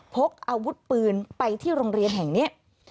พกอาวุธปืนไปที่โรงเรียนแห่งนี้